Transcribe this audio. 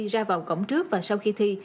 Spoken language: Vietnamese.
ra vào cổng trước và sau khi thi